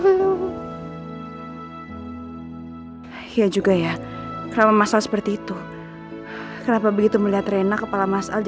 ricky meninggal itu karena kecelakaan